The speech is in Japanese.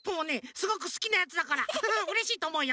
すごくすきなやつだからうれしいとおもうよ。